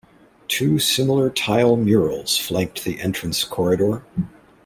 Two similar tile murals flanked the entrance corridor.